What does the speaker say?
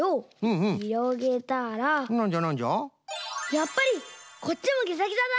やっぱりこっちもギザギザだ！